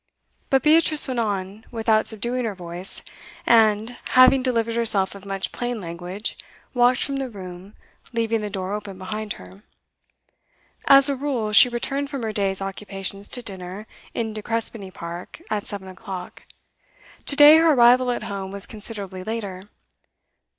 But Beatrice went on, without subduing her voice, and, having delivered herself of much plain language, walked from the room, leaving the door open behind her. As a rule, she returned from her day's occupations to dinner, in De Crespigny Park, at seven o'clock. To day her arrival at home was considerably later.